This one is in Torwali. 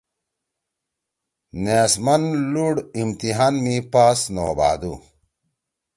نیست مند لُوڑ امتحان می پاس نہ ہوبھادی۔